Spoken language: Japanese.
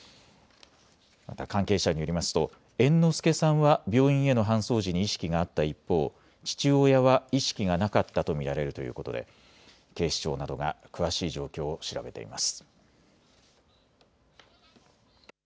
また関係者によりますと猿之助さんは病院への搬送時に意識があった一方、父親は意識がなかったと見られるということで警視庁などが詳しい状況を調べています。